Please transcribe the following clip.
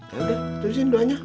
ya udah tulisin doanya